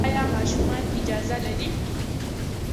ایا ماشومان اجازه لري؟